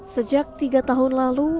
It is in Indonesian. sejak tiga tahun lalu